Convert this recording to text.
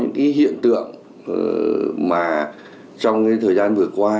những cái hiện tượng mà trong cái thời gian vừa qua